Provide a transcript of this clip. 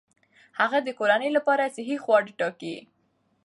هغه د کورنۍ لپاره صحي خواړه ټاکي.